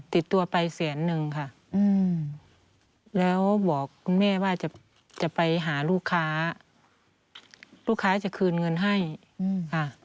ติดตัวไปแสนนึงค่ะแล้วบอกคุณแม่ว่าจะไปหาลูกค้าลูกค้าจะคืนเงินให้ค่ะ